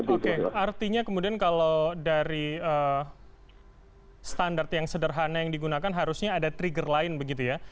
oke artinya kemudian kalau dari standar yang sederhana yang digunakan harusnya ada trigger lain begitu ya